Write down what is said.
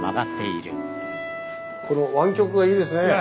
この湾曲がいいですね。